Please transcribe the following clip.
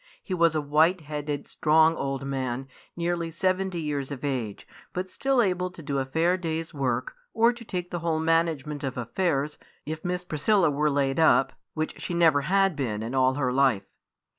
He was a white headed, strong old man, nearly seventy years of age, but still able to do a fair day's work, or to take the whole management of affairs, if Miss Priscilla were laid up, which she never had been in all her life.